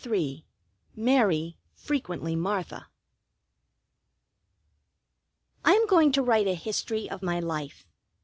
III MARY, FREQUENTLY MARTHA I am going to write a history of my life.